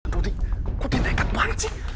kok dinekat banget sih